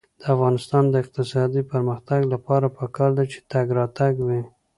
د افغانستان د اقتصادي پرمختګ لپاره پکار ده چې تګ راتګ وي.